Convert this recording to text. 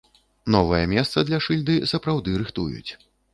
Новае месца для шыльды сапраўды рыхтуюць.